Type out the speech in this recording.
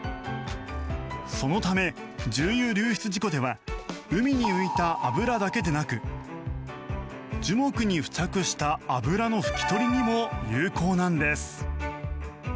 そのため重油流出事故では海に浮いた油だけでなく樹木に付着した油の拭き取りにも有効なんです。